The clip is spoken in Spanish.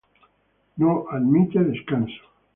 No admite descanso".